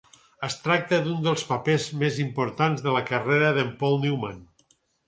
Es tracta d'un dels papers més importants de la carrera de Paul Newman.